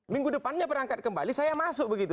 minggu depannya berangkat kembali saya masuk begitu